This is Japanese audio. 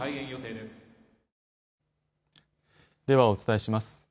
ではお伝えします。